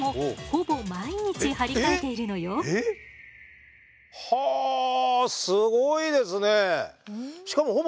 しかもはあすごいですね。